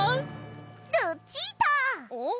ルチータ！ん？